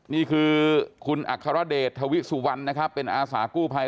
นี่คือคุณอัครเดชทวิสุวรรณนะครับเป็นอาสากู้ภัย